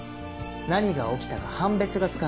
何が起きたか判別がつかない。